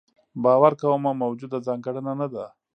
باور کومه موجوده ځانګړنه نه ده.